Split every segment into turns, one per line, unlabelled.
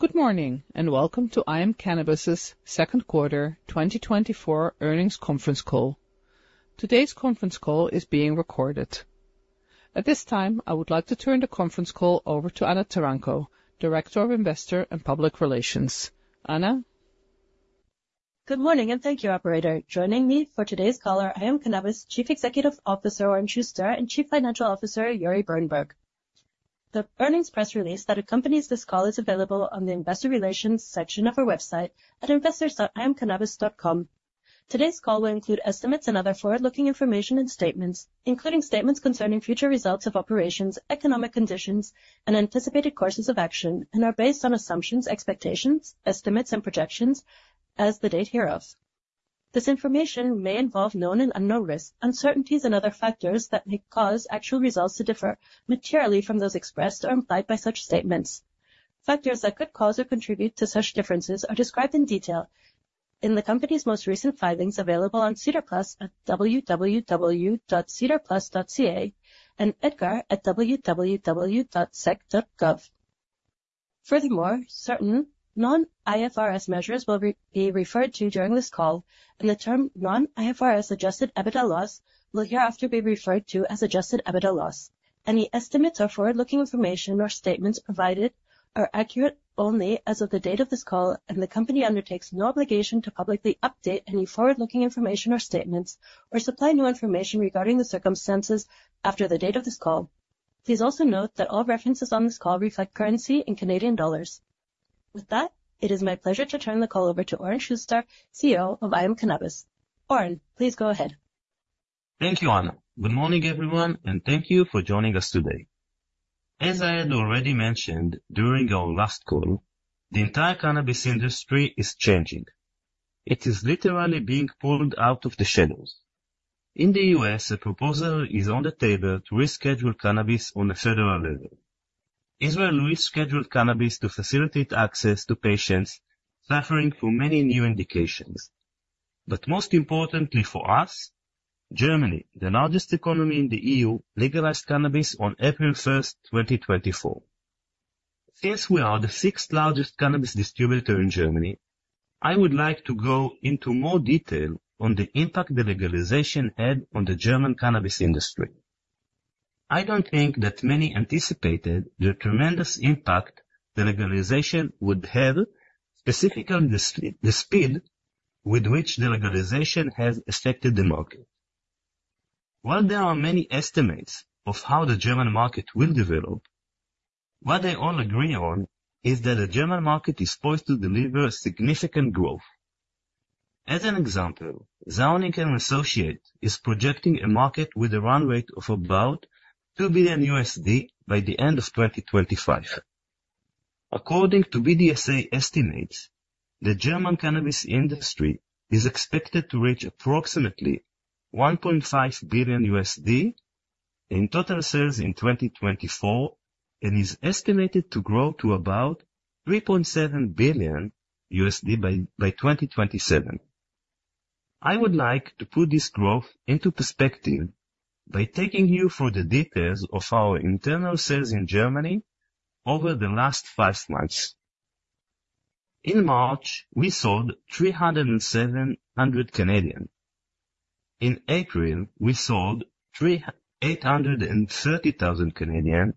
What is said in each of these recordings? Good morning, and welcome to IM Cannabis' Second Quarter 2024 Earnings Conference Call. Today's conference call is being recorded. At this time, I would like to turn the conference call over to Anna Taranko, Director of Investor and Public Relations. Anna?
Good morning, and thank you, operator. Joining me for today's call are IM Cannabis Chief Executive Officer, Oren Shuster, and Chief Financial Officer, Uri Birenberg. The earnings press release that accompanies this call is available on the investor relations section of our website at investors.imcannabis.com. Today's call will include estimates and other forward-looking information and statements, including statements concerning future results of operations, economic conditions, and anticipated courses of action, and are based on assumptions, expectations, estimates, and projections as the date hereof. This information may involve known and unknown risks, uncertainties and other factors that may cause actual results to differ materially from those expressed or implied by such statements. Factors that could cause or contribute to such differences are described in detail in the company's most recent filings, available on SEDAR+ at www.sedarplus.ca and EDGAR at www.sec.gov. Furthermore, certain non-IFRS measures will be referred to during this call, and the term non-IFRS adjusted EBITDA loss will hereafter be referred to as adjusted EBITDA loss. Any estimates or forward-looking information or statements provided are accurate only as of the date of this call, and the company undertakes no obligation to publicly update any forward-looking information or statements or supply new information regarding the circumstances after the date of this call. Please also note that all references on this call reflect currency in Canadian dollars. With that, it is my pleasure to turn the call over to Oren Shuster, CEO of IM Cannabis. Oren, please go ahead.
Thank you, Anna. Good morning, everyone, and thank you for joining us today. As I had already mentioned during our last call, the entire cannabis industry is changing. It is literally being pulled out of the shadows. In the U.S., a proposal is on the table to reschedule cannabis on a federal level. Israel rescheduled cannabis to facilitate access to patients suffering from many new indications, but most importantly for us, Germany, the largest economy in the E.U., legalized cannabis on April 1st, 2024. Since we are the sixth-largest cannabis distributor in Germany, I would like to go into more detail on the impact the legalization had on the German cannabis industry. I don't think that many anticipated the tremendous impact the legalization would have, specifically the speed with which the legalization has affected the market. While there are many estimates of how the German market will develop, what they all agree on is that the German market is poised to deliver significant growth. As an example, Zuanic & Associates is projecting a market with a run rate of about $2 billion by the end of 2025. According to BDSA estimates, the German cannabis industry is expected to reach approximately $1.5 billion in total sales in 2024 and is estimated to grow to about $3.7 billion by 2027. I would like to put this growth into perspective by taking you through the details of our internal sales in Germany over the last five months. In March, we sold 307,000. In April, we sold 830,000,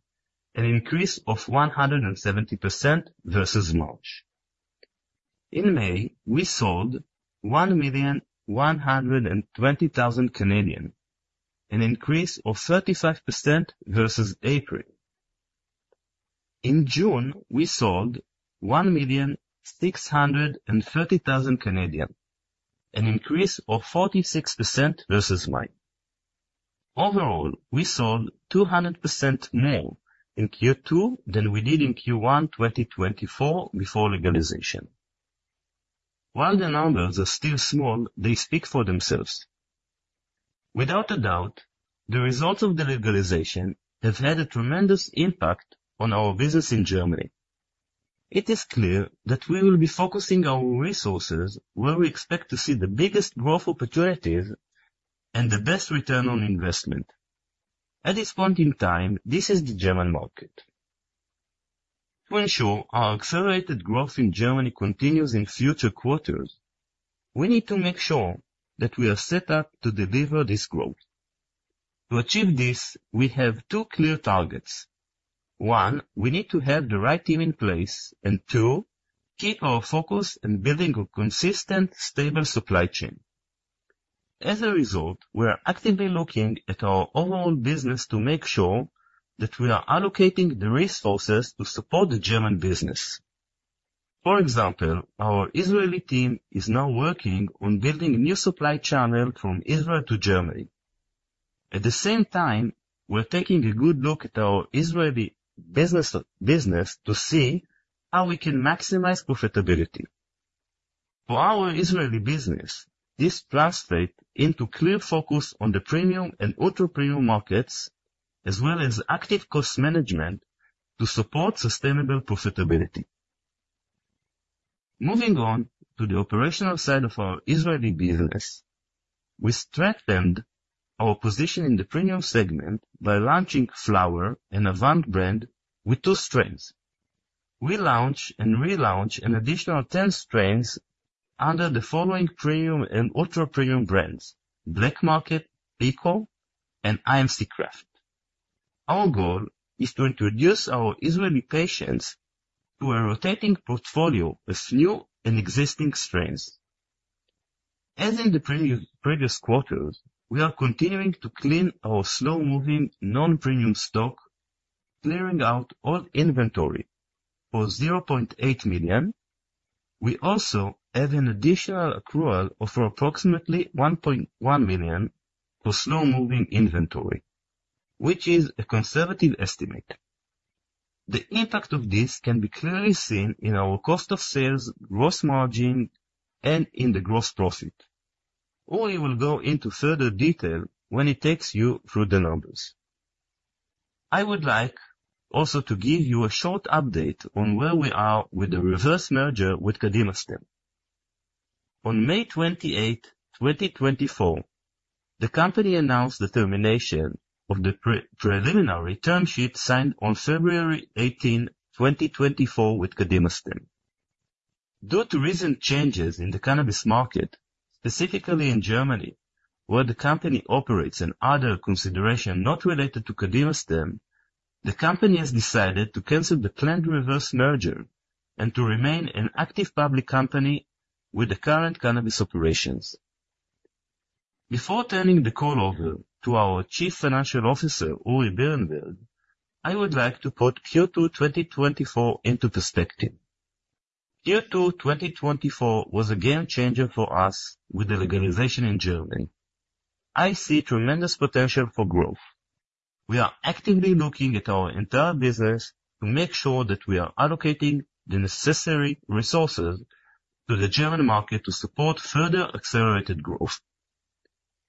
an increase of 170% versus March. In May, we sold 1.12 million, an increase of 35% versus April. In June, we sold 1.63 million, an increase of 46% versus May. Overall, we sold 200% more in Q2 than we did in Q1, 2024 before legalization. While the numbers are still small, they speak for themselves. Without a doubt, the results of the legalization have had a tremendous impact on our business in Germany. It is clear that we will be focusing our resources where we expect to see the biggest growth opportunities and the best return on investment. At this point in time, this is the German market. To ensure our accelerated growth in Germany continues in future quarters, we need to make sure that we are set up to deliver this growth. To achieve this, we have two clear targets. One, we need to have the right team in place, and two, keep our focus in building a consistent, stable supply chain. As a result, we are actively looking at our overall business to make sure that we are allocating the resources to support the German business. For example, our Israeli team is now working on building a new supply channel from Israel to Germany. At the same time, we're taking a good look at our Israeli business to see how we can maximize profitability. For our Israeli business, this translates into clear focus on the premium and ultra-premium markets, as well as active cost management to support sustainable profitability. Moving on to the operational side of our Israeli business, we strengthened our position in the premium segment by launching flower and Avant brand with two strains. We launch and relaunch an additional 10 strains under the following premium and ultra-premium brands: BLK MKT, Pico, and IMC Craft. Our goal is to introduce our Israeli patients to a rotating portfolio of new and existing strains. As in the previous quarters, we are continuing to clean our slow-moving, non-premium stock, clearing out all inventory for 0.8 million. We also have an additional accrual of approximately 1.1 million for slow-moving inventory, which is a conservative estimate. The impact of this can be clearly seen in our cost of sales, gross margin, and in the gross profit. Uri will go into further detail when he takes you through the numbers. I would like also to give you a short update on where we are with the reverse merger with. On May 28, 2024 the company announced the termination of the pre-preliminary term sheet signed on February 18, 2024 with Kadimastem. Due to recent changes in the cannabis market, specifically in Germany, where the company operates, and other consideration not related to Kadimastem, the company has decided to cancel the planned reverse merger and to remain an active public company with the current cannabis operations. Before turning the call over to our Chief Financial Officer, Uri Birenberg, I would like to put Q2 2024 into perspective. Q2 2024 was a game-changer for us with the legalization in Germany. I see tremendous potential for growth. We are actively looking at our entire business to make sure that we are allocating the necessary resources to the German market to support further accelerated growth.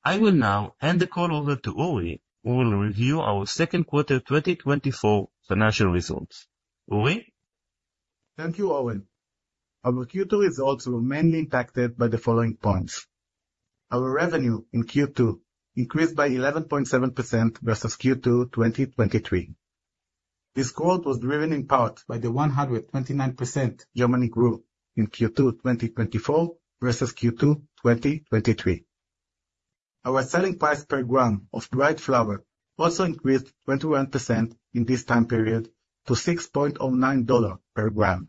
I will now hand the call over to Uri, who will review our second quarter 2024 financial results. Uri?
Thank you, Oren. Our Q2 results were mainly impacted by the following points. Our revenue in Q2 increased by 11.7% versus Q2 2023. This growth was driven in part by the 129% Germany growth in Q2 2024 versus Q2 2023. Our selling price per gram of dried flower also increased 21% in this time period to $6.09 per gram.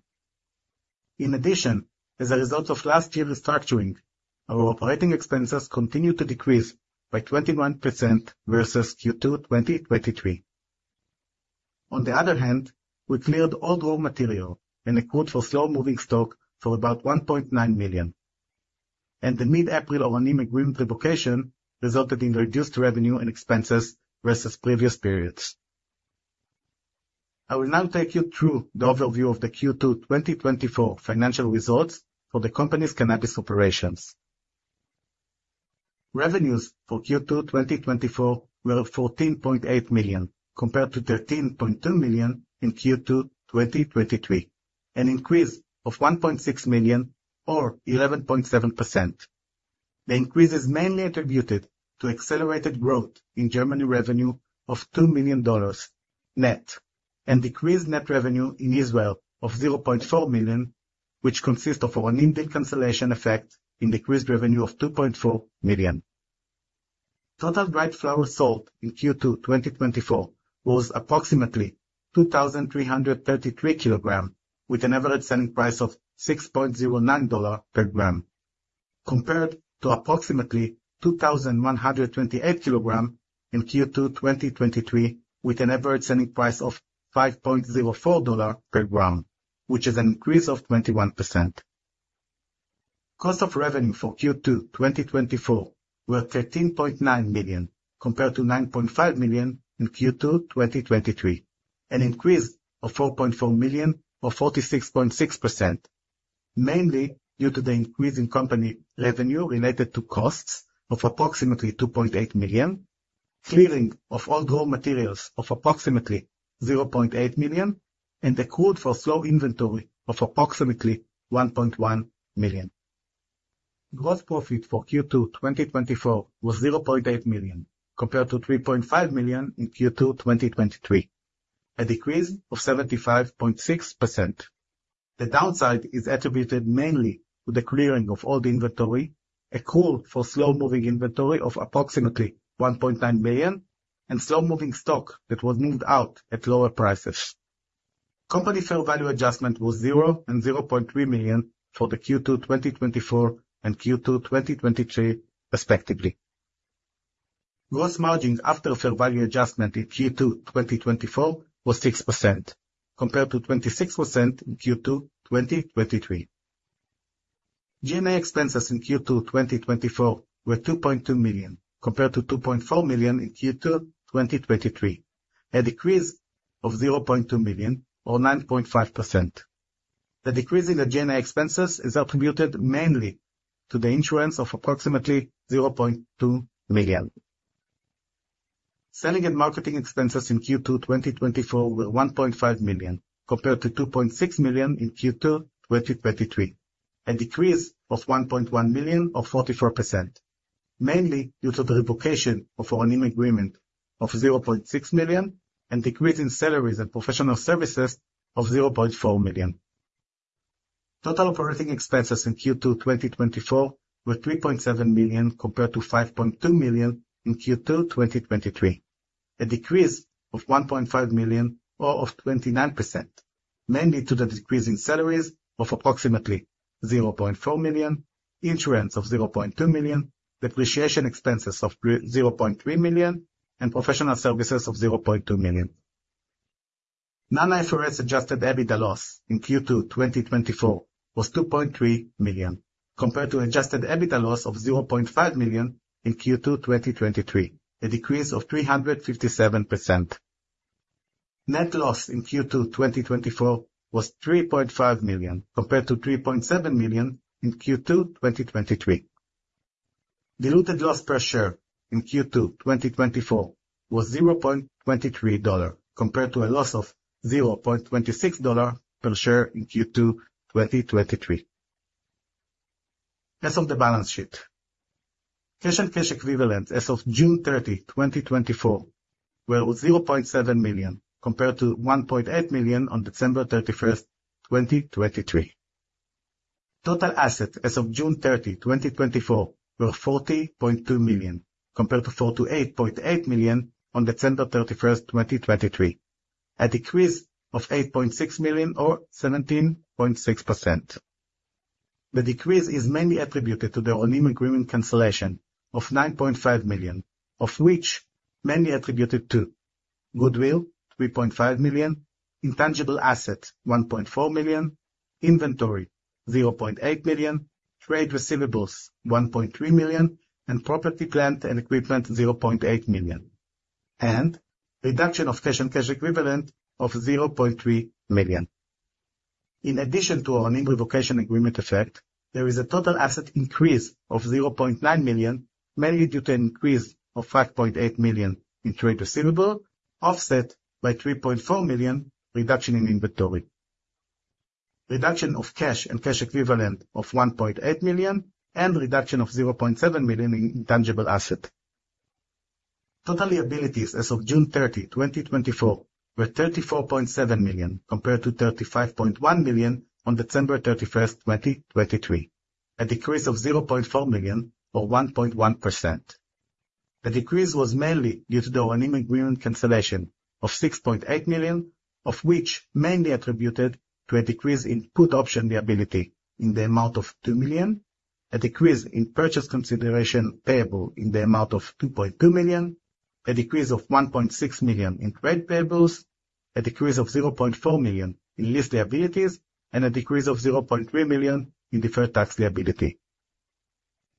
In addition, as a result of last year's restructuring, our operating expenses continued to decrease by 21% versus Q2 2023. On the other hand, we cleared all raw material and accrued for slow-moving stock for about $1.9 million, and the mid-April of our Oranim agreement revocation resulted in reduced revenue and expenses versus previous periods. I will now take you through the overview of the Q2 2024 financial results for the company's cannabis operations. Revenues for Q2 2024 were 14.8 million, compared to 13.2 million in Q2 2023, an increase of 1.6 million or 11.7%. The increase is mainly attributed to accelerated growth in Germany revenue of $2 million net, and decreased net revenue in Israel of 0.4 million, which consists of our Oranim cancellation effect and decreased revenue of 2.4 million. Total dried flower sold in Q2 2024 was approximately 2,333 kilograms, with an average selling price of 6.09 dollar per gram, compared to approximately 2,128 kilograms in Q2 2023, with an average selling price of 5.04 dollar per gram, which is an increase of 21%. Cost of revenue for Q2 2024 were 13.9 million, compared to 9.5 million in Q2 2023, an increase of 4.4 million or 46.6%, mainly due to the increase in company revenue related to costs of approximately 2.8 million, clearing of all raw materials of approximately 0.8 million, and accrued for slow inventory of approximately 1.1 million. Gross profit for Q2 2024 was 0.8 million, compared to 3.5 million in Q2 2023, a decrease of 75.6%. The downside is attributed mainly to the clearing of all the inventory, accrued for slow-moving inventory of approximately 1.9 million, and slow-moving stock that was moved out at lower prices. Company fair value adjustment was zero and 0.3 million for the Q2 2024 and Q2 2023 respectively. Gross margins after fair value adjustment in Q2 2024 was 6%, compared to 26% in Q2 2023. G&A expenses in Q2 2024 were 2.2 million, compared to 2.4 million in Q2 2023, a decrease of 0.2 million or 9.5%. The decrease in the G&A expenses is attributed mainly to the insurance of approximately 0.2 million. Selling and marketing expenses in Q2 2024 were 1.5 million, compared to 2.6 million in Q2 2023. A decrease of 1.1 million, or 44%, mainly due to the revocation of our Oranim agreement of 0.6 million, and decrease in salaries and professional services of 0.4 million. Total operating expenses in Q2 2024 were 3.7 million, compared to 5.2 million in Q2 2023. A decrease of 1.5 million or of 29%, mainly to the decrease in salaries of approximately 0.4 million, insurance of 0.2 million, depreciation expenses of zero point three million, and professional services of 0.2 million. Non-IFRS adjusted EBITDA loss in Q2 2024 was $2.3 million, compared to adjusted EBITDA loss of $0.5 million in Q2 2023, a decrease of 357%. Net loss in Q2 2024 was $3.5 million, compared to $3.7 million in Q2 2023. Diluted loss per share in Q2 2024 was $0.23, compared to a loss of $0.26 per share in Q2 2023. As of the balance sheet, cash and cash equivalents as of June 30, 2024, were $0.7 million, compared to $1.8 million on December 31st, 2023. Total assets as of June 30, 2024, were 40.2 million, compared to 48.8 million on December 31st, 2023, a decrease of 8.6 million or 17.6%. The decrease is mainly attributed to the Oranim agreement cancellation of 9.5 million, of which mainly attributed to goodwill, 3.5 million, intangible assets, 1.4 million, inventory, 0.8 million, trade receivables, 1.3 million, and property, plant, and equipment, 0.8 million, and reduction of cash and cash equivalent of 0.3 million. In addition to our Oranim revocation agreement effect, there is a total assets increase of 0.9 million, mainly due to an increase of 5.8 million in trade receivables, offset by 3.4 million reduction in inventory, reduction of cash and cash equivalents of 1.8 million, and reduction of 0.7 million in intangible assets. Total liabilities as of June 30, 2024, were 34.7 million, compared to 35.1 million on December 31st, 2023, a decrease of 0.4 million or 1.1%. The decrease was mainly due to the Oranim agreement cancellation of 6.8 million, of which mainly attributed to a decrease in put option liability in the amount of 2 million, a decrease in purchase consideration payable in the amount of 2.2 million, a decrease of 1.6 million in trade payables, a decrease of 0.4 million in lease liabilities, and a decrease of 0.3 million in deferred tax liability.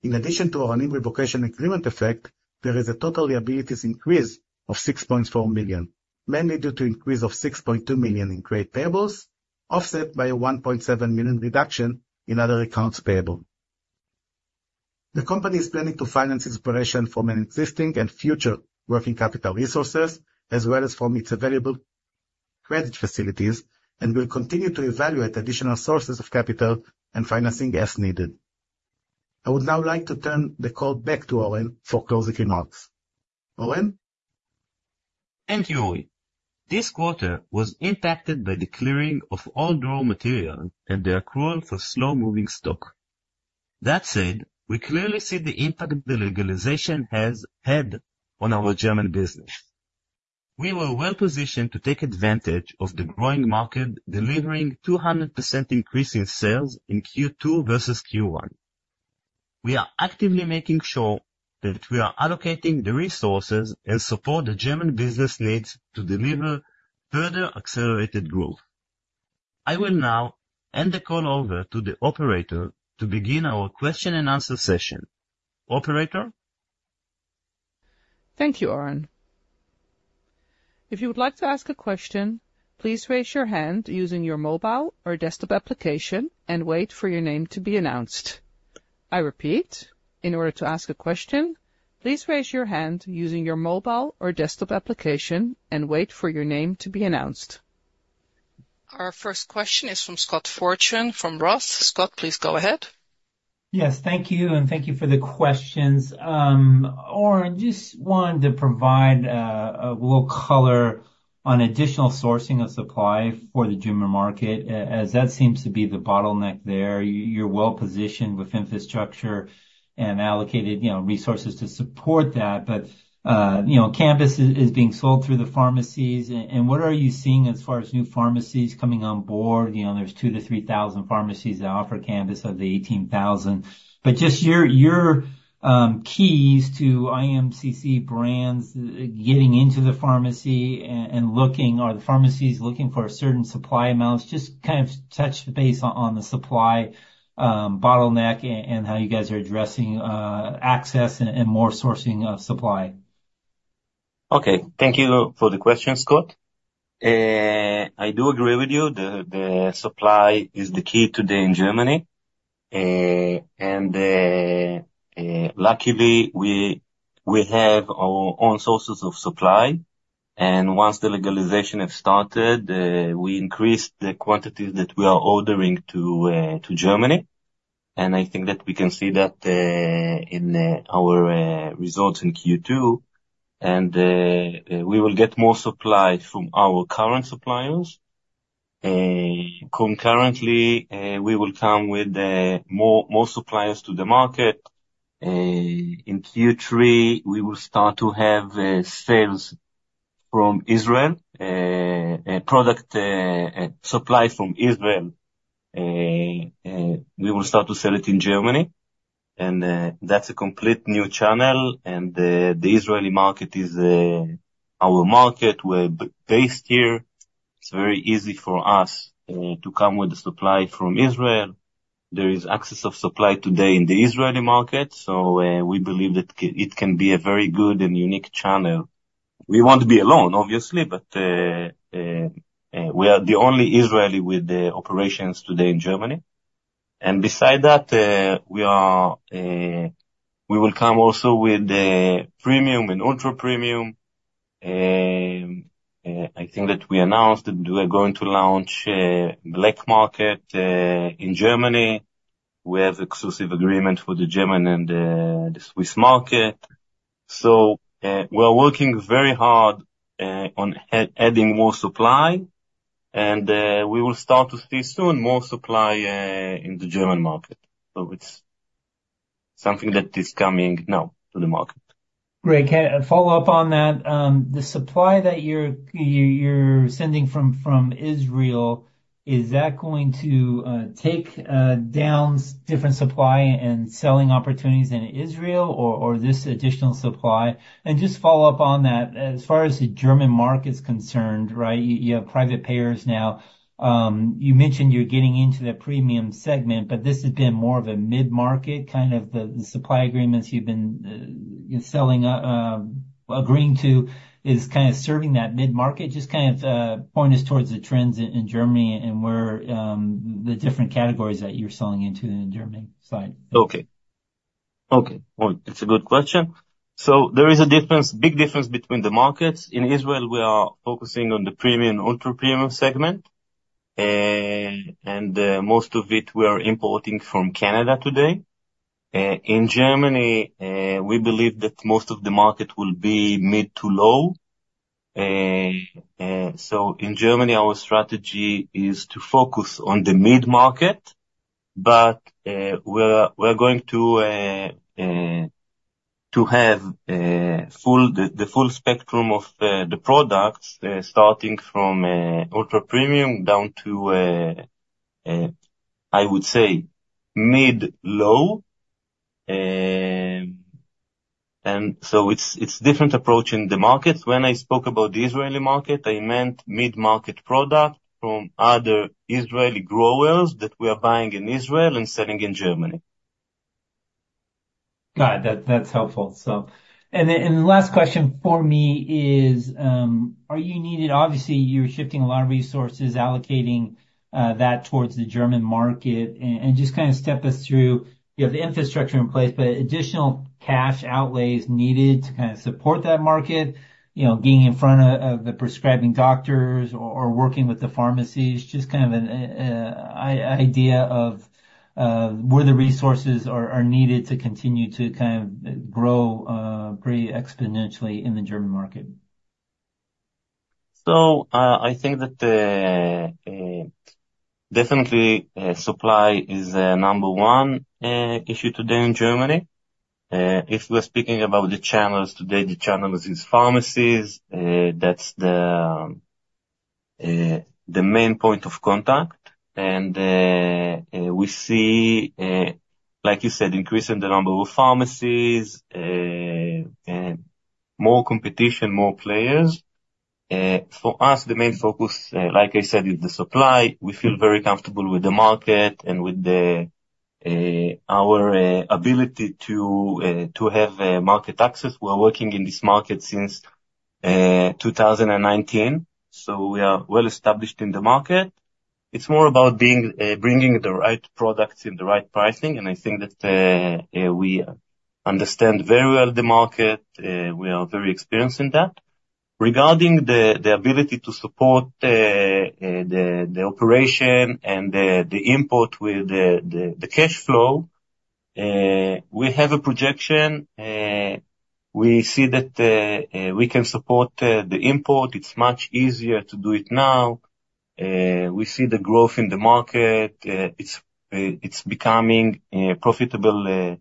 In addition to our Oranim revocation agreement effect, there is a total liabilities increase of 6.4 million, mainly due to increase of 6.2 million in trade payables, offset by a 1.7 million reduction in other accounts payable. The company is planning to finance its operation from an existing and future working capital resources, as well as from its available credit facilities, and will continue to evaluate additional sources of capital and financing as needed. I would now like to turn the call back to Oren for closing remarks. Oren?
Thank you, Uri. This quarter was impacted by the clearing of all raw material and the accrual for slow-moving stock. That said, we clearly see the impact the legalization has had on our German business. We were well positioned to take advantage of the growing market, delivering 200% increase in sales in Q2 versus Q1. We are actively making sure that we are allocating the resources and support the German business needs to deliver further accelerated growth. I will now hand the call over to the operator to begin our question and answer session. Operator?
Thank you, Oren. If you would like to ask a question, please raise your hand using your mobile or desktop application and wait for your name to be announced. I repeat, in order to ask a question, please raise your hand using your mobile or desktop application and wait for your name to be announced. Our first question is from Scott Fortune from Roth. Scott, please go ahead.
Yes, thank you, and thank you for the questions. Oren, just wanted to provide a little color on additional sourcing of supply for the German market, as that seems to be the bottleneck there. You're well positioned with infrastructure and allocated, you know, resources to support that. But, you know, cannabis is being sold through the pharmacies. And what are you seeing as far as new pharmacies coming on board? You know, there's 2,000 pharmacies to 3,000 pharmacies that offer cannabis out of the 18,000. But just your keys to IMCC brands getting into the pharmacy and looking, are the pharmacies looking for certain supply amounts? Just kind of touch base on the supply bottleneck and how you guys are addressing access and more sourcing of supply.
Okay, thank you for the question, Scott. I do agree with you, the supply is the key today in Germany. And luckily, we have our own sources of supply, and once the legalization have started, we increased the quantities that we are ordering to Germany. And I think that we can see that in our results in Q2, and we will get more supply from our current suppliers. Concurrently, we will come with more suppliers to the market. In Q3, we will start to have sales from Israel, a product supply from Israel. We will start to sell it in Germany, and that's a complete new channel, and the Israeli market is our market. We're based here. It's very easy for us to come with the supply from Israel. There is excess of supply today in the Israeli market, so, we believe that it can be a very good and unique channel. We won't be alone, obviously, but, we are the only Israeli with the operations today in Germany. And besides that, we will come also with the premium and ultra-premium. I think that we announced that we are going to launch BLK MKT, in Germany. We have exclusive agreement for the German and, the Swiss market. So, we are working very hard, on adding more supply, and, we will start to see soon more supply, in the German market. So it's something that is coming now to the market.
Great! Can I follow up on that? The supply that you're sending from Israel, is that going to take down different supply and selling opportunities in Israel, or this additional supply? And just follow up on that, as far as the German market is concerned, right, you have private payers now. You mentioned you're getting into the premium segment, but this has been more of a mid-market, kind of, the supply agreements you've been selling, agreeing to, is kind of serving that mid-market. Just kind of point us towards the trends in Germany and where the different categories that you're selling into in the German side.
Okay. Okay, well, it's a good question. So there is a difference, big difference between the markets. In Israel, we are focusing on the premium, ultra-premium segment, and, most of it, we are importing from Canada today. In Germany, we believe that most of the market will be mid to low. So in Germany, our strategy is to focus on the mid-market, but we're going to have the full spectrum of, the products, starting from, ultra-premium down to, I would say mid-low. And so it's, it's different approach in the market. When I spoke about the Israeli market, I meant mid-market product from other Israeli growers that we are buying in Israel and selling in Germany.
Got it. That, that's helpful. So, and then, and the last question for me is, obviously, you're shifting a lot of resources, allocating that towards the German market, and just kind of step us through, you know, the infrastructure in place, but additional cash outlays needed to kind of support that market. You know, being in front of the prescribing doctors or working with the pharmacies, just kind of an idea of where the resources are needed to continue to kind of grow pretty exponentially in the German market.
I think that, definitely, supply is the number one issue today in Germany. If we're speaking about the channels today, the channels is pharmacies, that's the main point of contact. We see, like you said, increase in the number of pharmacies, and more competition, more players. For us, the main focus, like I said, is the supply. We feel very comfortable with the market and with our ability to have market access. We are working in this market since 2019, so we are well established in the market. It's more about bringing the right products and the right pricing, and I think that we understand very well the market. We are very experienced in that. Regarding the ability to support the operation and the import with the cash flow, we have a projection. We see that we can support the import. It's much easier to do it now. We see the growth in the market. It's becoming a profitable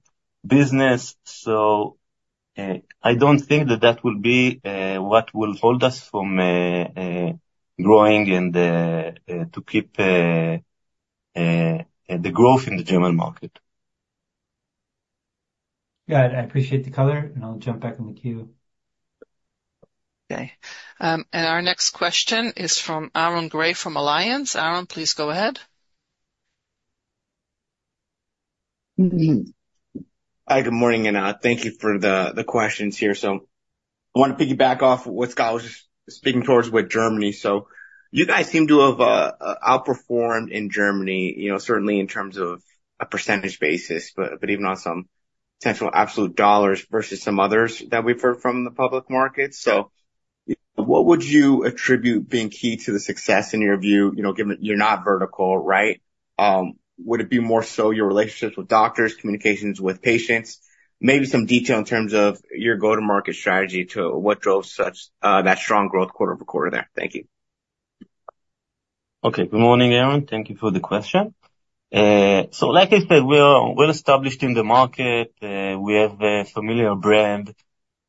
business. So, I don't think that will be what will hold us from growing and to keep the growth in the German market.
Got it. I appreciate the color, and I'll jump back on the queue.
Okay. Our next question is from Aaron Gray, from Alliance. Aaron, please go ahead.
Hi, good morning, and thank you for the questions here. So I want to piggyback off what Scott was just speaking towards with Germany. So you guys seem to have outperformed in Germany, you know, certainly in terms of a percentage basis, but even on some potential absolute dollars versus some others that we've heard from the public market. So what would you attribute being key to the success, in your view, you know, given that you're not vertical, right? Would it be more so your relationships with doctors, communications with patients? Maybe some detail in terms of your go-to-market strategy to what drove such that strong growth quarter-over-quarter there. Thank you.
Okay. Good morning, Aaron. Thank you for the question. So like I said, we are well established in the market. We have a familiar brand.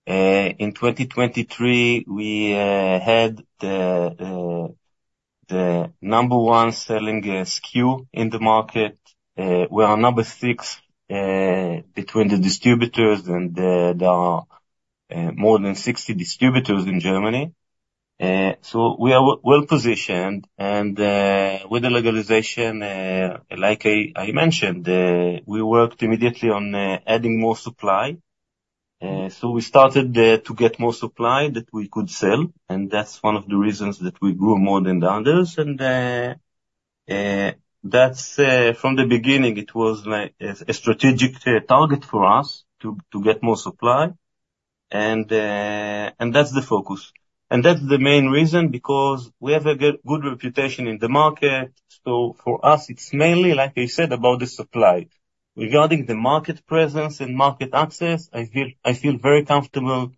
In 2023, we had the number one selling SKU in the market. We are number six between the distributors, and there are more than 60 distributors in Germany. So we are well positioned, and with the legalization, like I mentioned, we worked immediately on adding more supply. So we started to get more supply that we could sell, and that's one of the reasons that we grew more than the others. And that's from the beginning, it was like a strategic target for us to get more supply. And that's the focus. And that's the main reason, because we have a good, good reputation in the market. So for us, it's mainly, like I said, about the supply. Regarding the market presence and market access, I feel very comfortable.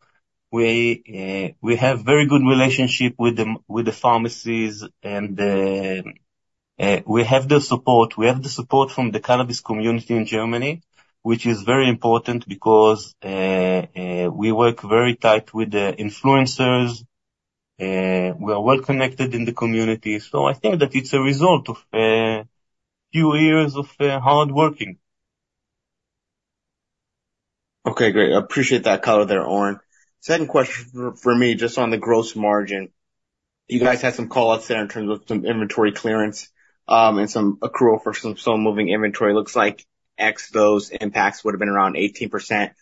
We have very good relationship with the pharmacies and we have the support. We have the support from the cannabis community in Germany, which is very important because we work very tight with the influencers. We are well connected in the community, so I think that it's a result of few years of hard working.
Okay, great. I appreciate that color there, Oren. Second question for me, just on the gross margin. You guys had some call-outs there in terms of some inventory clearance, and some accrual for some slow-moving inventory. Looks like ex those impacts would have been around 18%.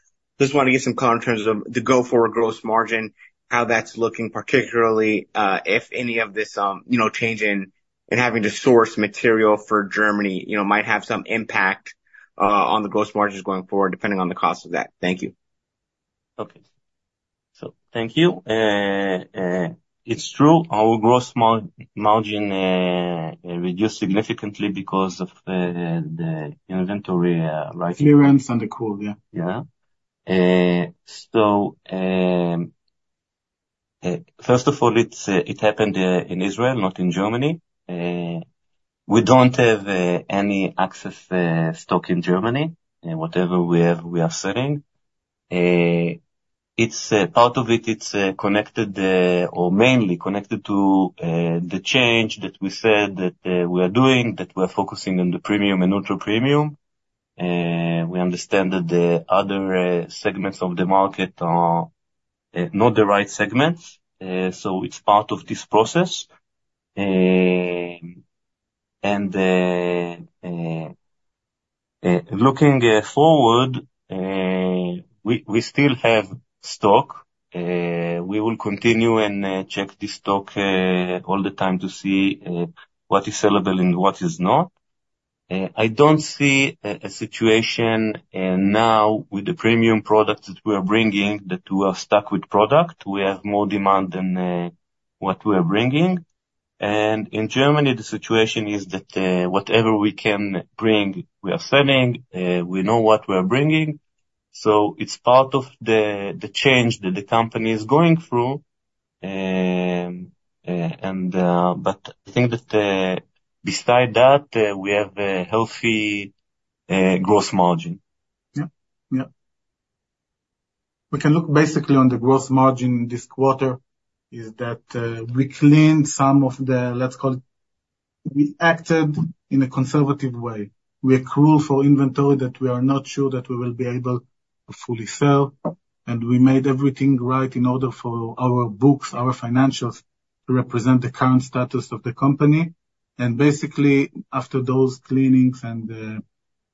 Just want to get some color in terms of the go-forward gross margin, how that's looking, particularly, if any of this, you know, change in having to source material for Germany, you know, might have some impact on the gross margins going forward, depending on the cost of that. Thank you.
Okay. So thank you. It's true, our gross margin reduced significantly because of the inventory writing.
Clearance and accrual, yeah.
Yeah. So, first of all, it happened in Israel, not in Germany. We don't have any excess stock in Germany. Whatever we have, we are selling. It's part of it, it's connected, or mainly connected to the change that we said that we are doing, that we're focusing on the premium and ultra premium. We understand that the other segments of the market are not the right segments, so it's part of this process. And looking forward, we still have stock. We will continue and check the stock all the time to see what is sellable and what is not. I don't see a situation now with the premium products that we are bringing that we are stuck with product. We have more demand than what we are bringing. In Germany, the situation is that whatever we can bring, we are selling. We know what we are bringing, so it's part of the change that the company is going through. But I think that besides that, we have a healthy gross margin.
Yeah. Yeah. We can look basically on the gross margin this quarter, is that we cleaned some of the, let's call it, we acted in a conservative way. We accrue for inventory that we are not sure that we will be able to fully sell, and we made everything right in order for our books, our financials, to represent the current status of the company. And basically, after those cleanings, and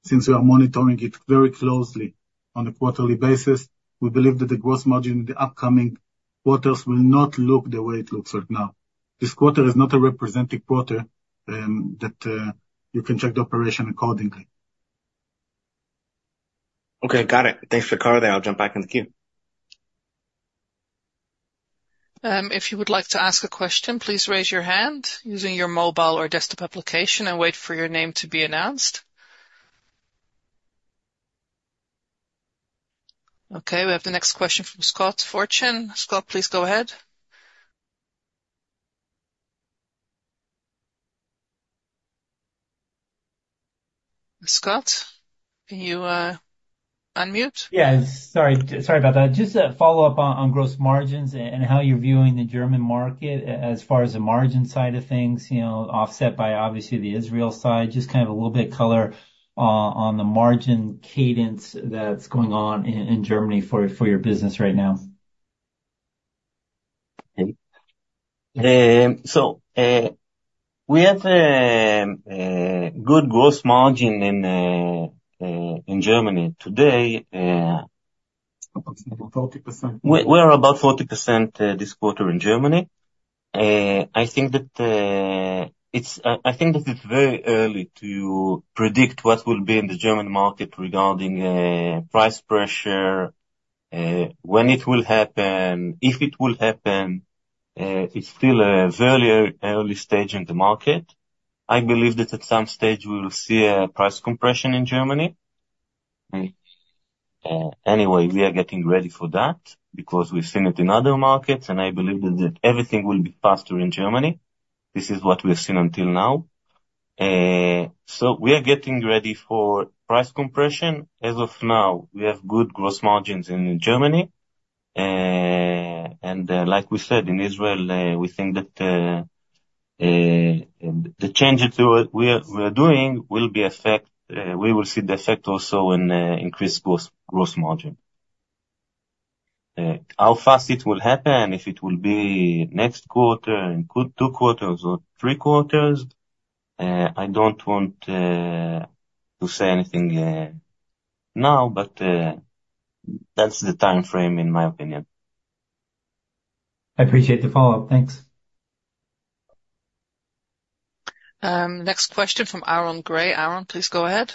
since we are monitoring it very closely on a quarterly basis, we believe that the gross margin in the upcoming quarters will not look the way it looks right now. This quarter is not a representative quarter, that you can check the operation accordingly.
Okay, got it. Thanks for the color there. I'll jump back in the queue.
If you would like to ask a question, please raise your hand using your mobile or desktop application and wait for your name to be announced. Okay, we have the next question from Scott Fortune. Scott, please go ahead. Scott, can you unmute?
Yes, sorry. Sorry about that. Just a follow-up on gross margins and how you're viewing the German market as far as the margin side of things, you know, offset by obviously the Israel side. Just kind of a little bit color on the margin cadence that's going on in Germany for your business right now.
Okay. So, we have good gross margin in Germany today.
About 40%.
We are about 40% this quarter in Germany. I think that it's very early to predict what will be in the German market regarding price pressure, when it will happen, if it will happen. It's still a very early stage in the market. I believe that at some stage, we will see a price compression in Germany. Anyway, we are getting ready for that because we've seen it in other markets, and I believe that everything will be faster in Germany. This is what we've seen until now. So we are getting ready for price compression. As of now, we have good gross margins in Germany. Like we said, in Israel, we think that the changes we are doing will be effective. We will see the effect also in increased gross margin. How fast it will happen, if it will be next quarter, in two quarters or three quarters, I don't want to say anything now, but that's the time frame in my opinion.
I appreciate the follow-up. Thanks.
Next question from Aaron Gray. Aaron, please go ahead.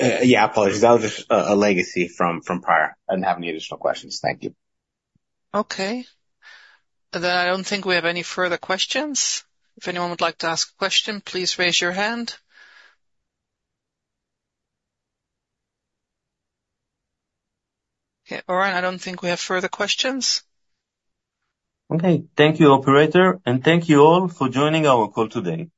Yeah, apologies. That was just a legacy from prior. I didn't have any additional questions. Thank you.
Okay. Then I don't think we have any further questions. If anyone would like to ask a question, please raise your hand. Okay. All right, I don't think we have further questions.
Okay. Thank you, operator, and thank you all for joining our call today.